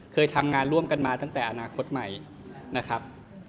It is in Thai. เคยทำงานร่วมกันมาตั้งแต่อนาคตใหม่นะครับ